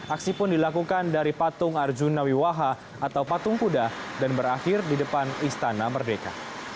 aksi pun dilakukan dari patung arjuna wiwaha atau patung kuda dan berakhir di depan istana merdeka